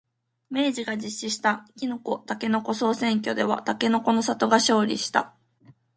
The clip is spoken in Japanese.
明治が実施したきのこ、たけのこ総選挙ではたけのこの里が勝利した。